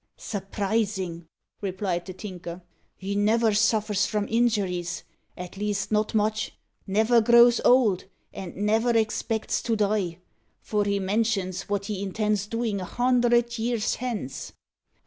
"Surprisin'!" replied the Tinker; "he never suffers from injuries at least, not much; never grows old; and never expects to die; for he mentions wot he intends doin' a hundred years hence."